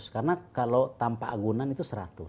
karena kalau tanpa agunan itu seratus